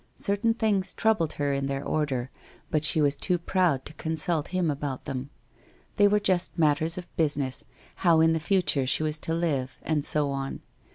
Certain things troubled her in their order, but she was too proud to consult him about them. They were just matters of business, how in the future she was to live, and so on.